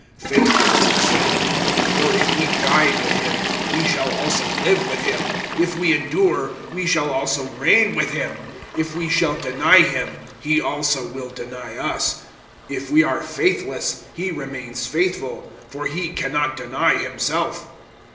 (11)Faithful is the saying: For if we died with him, we shall also live with him; (12)if we endure, we shall also reign with him; if we shall deny him, he also will deny us; (13)if we are faithless, he remains faithful, for he can not deny himself.